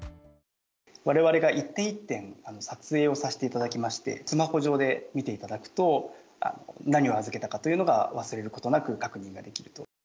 われわれが一点一点、撮影をさせていただきまして、スマホ上で見ていただくと、何を預けたかというのが忘れることなく確認ができると。